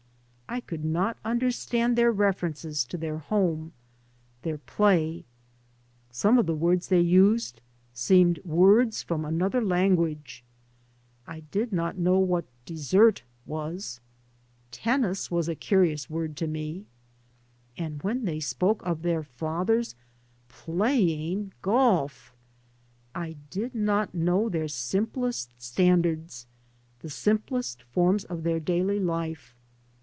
I could not understand their references to their home, their play. Some of the words they used seemed words from another lan guage. I did not know what " dessert " was. " Tennis " was a curious word to me. And when they spoke of their fathers " playing " golf/ I did not know their simplest stand ards, the simplest forms of their daily life.